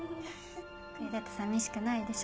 これだとさみしくないでしょ？